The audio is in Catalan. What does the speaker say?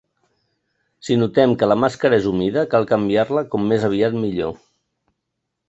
Si notem que la màscara és humida, cal canviar-la com més aviat millor.